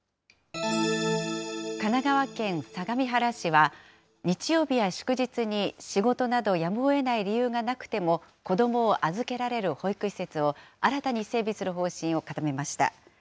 神奈川県相模原市は、日曜日や祝日に、仕事などやむをえない理由がなくても、子どもを預けられる保育施設を新たに整備する方針を固めました。